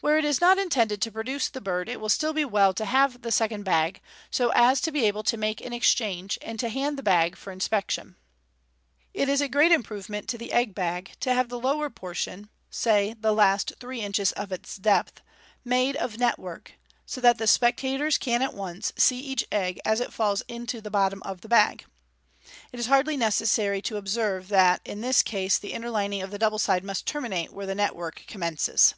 Where it is not intended to produce the bird, it will still be well to have the second bag, so as to be able to make an exchange, and to hand the bag for inspection. MODERN MAGIC. 3*9 It is a great improvement to the egg bag to have the lower portion, say the last three inches of its depth, made of network, so that the spectators can at once see each egg as it falls to the bottom of the bag. It is hardly necessary to observe that in this case the innei lining of the double side must terminate where the network com mences.